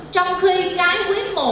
trong khi cái quyết một